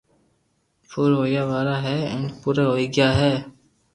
پور ھويا وارا ھي ھين پورا ھوئي گيا ھي